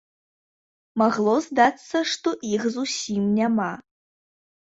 Магло здацца, што іх зусім няма.